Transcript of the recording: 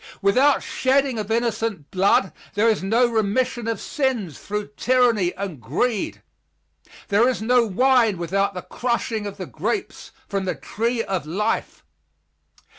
Without shedding of innocent blood there is no remission of sins through tyranny and greed. There is no wine without the crushing of the grapes from the tree of life.